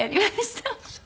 そう。